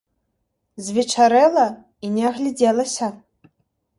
Звечарэла, і не агледзелася!